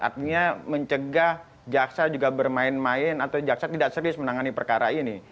artinya mencegah jaksa juga bermain main atau jaksa tidak serius menangani perkara ini